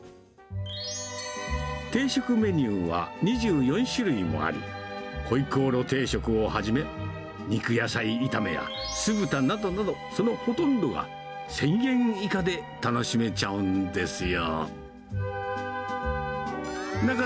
定食メニューは２４種類もあり、ホイコーロー定食をはじめ、肉野菜炒めや酢豚などなど、そのほとんどは１０００円以下で楽しめちゃうんですよ。